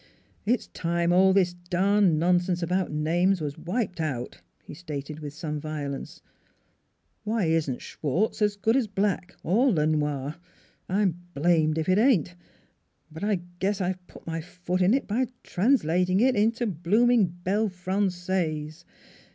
" It's time all this darned nonsense about names 278 NEIGHBORS was wiped out !" he stated with some violence. " Why isn't Schwartz as good as Black or Le Noirf I'm blamed if it ain't! But I guess I've put my foot in it by translating it into blooming belle Frangaise.